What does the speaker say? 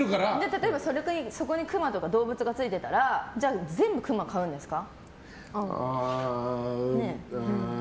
例えば、そこにクマとか動物がついてたら全部クマ買うんですか？